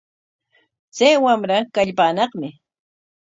Chay wamra kallpaanaqmi.